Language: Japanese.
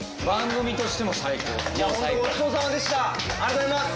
ありがとうございます！